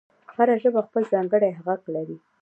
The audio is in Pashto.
هره ژبه خپل ځانګړی غږ لري.